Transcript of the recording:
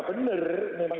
kepakatan berbangsa ini